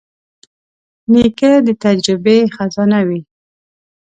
نیکه د تجربې خزانه وي.